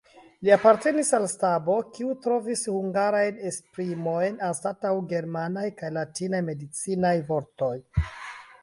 Li apartenis al stabo, kiu trovis hungarajn esprimojn anstataŭ germanaj kaj latinaj medicinaj vortoj.